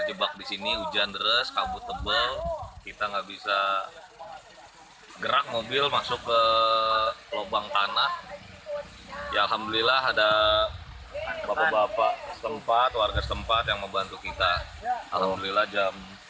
j weit jauh sebelum jalan jalan untuk jalan jalan ke las brieda ya